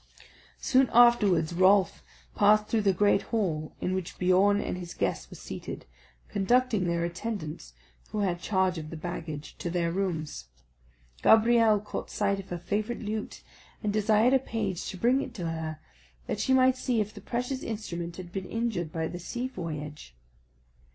Soon afterwards Rolf passed through the great hall in which Biorn and his guests were seated, conducting their attendants, who had charge of the baggage, to their rooms. Gabrielle caught sight of her favourite lute, and desired a page to bring it to her, that she might see if the precious instrument had been injured by the sea voyage.